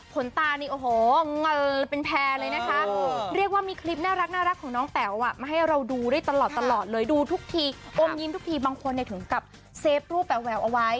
ตานี่โอ้โหเป็นแพร่เลยนะคะเรียกว่ามีคลิปน่ารักของน้องแป๋วมาให้เราดูได้ตลอดเลยดูทุกทีอมยิ้มทุกทีบางคนถึงกับเซฟรูปแววเอาไว้